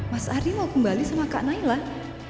mas ardi mau kembali sama kak nailah